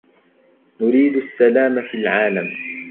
نريد السلام في العالم.